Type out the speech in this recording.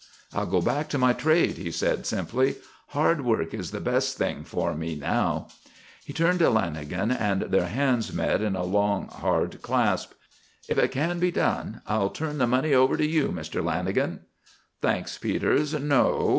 "I'll go back to my trade," he said, simply. "Hard work is the best thing for me now." He turned to Lanagan and their hands met in a long, hard clasp. "If it can be done, I'll turn the money over to you, Mr. Lanagan." "Thanks, Peters, no.